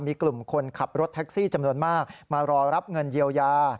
มีกลุ่มคนขับรถแท็กซี่จำนวนมากมารอรับเงินเยียวยา